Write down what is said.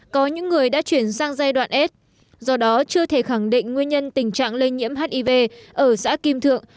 có những người đã chuyển sang giai đoạn s do đó chưa thể khẳng định nguyên nhân tình trạng lây nhiễm hiv ở xã kim thượng